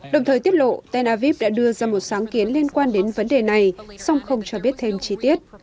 đồng thời tiết lộ tel aviv đã đưa ra một sáng kiến liên quan đến vấn đề này song không cho biết thêm chi tiết